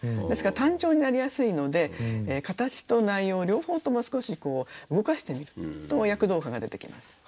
ですから単調になりやすいので形と内容両方とも少し動かしてみると躍動感が出てきます。